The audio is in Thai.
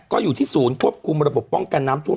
ก็อยู่ที่ศูนย์ควบคุมระบบป้องกันน้ำท่วม